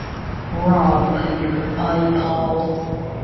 Rob Peter to pay Paul.